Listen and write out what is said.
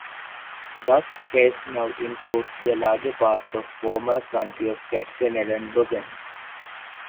Thus, Hesse now includes the larger part of former county of Katzenelnbogen.